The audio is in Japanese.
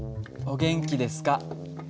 「お元気ですか？